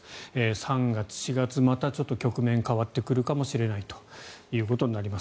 ３月、４月またちょっと局面が変わってくるかもしれないということです。